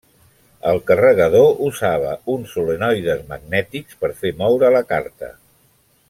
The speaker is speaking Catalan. El carregador usava uns solenoides magnètics per fer moure la carta.